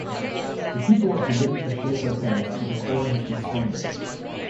The people are forbidden to shave their heads till the corn has been sown.